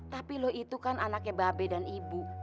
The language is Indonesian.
tapi lo itu kan anaknya babe dan ibu